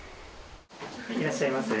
いらっしゃいませ。